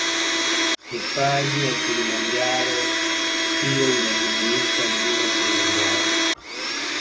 Hifadhi ya kilimanjaro hiyo inajumuisha mlima kilimanjaro